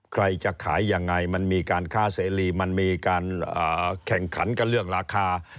ใครจะขายยังไงมันมีการค้าเสรีมันมีการแข่งขันกันเรื่องราคา